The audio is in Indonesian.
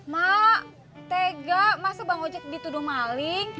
ma tega masa bang ojek dituduh maling